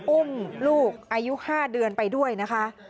อุ้มลูกอายุ๕เดือนไปด้วยนะคะ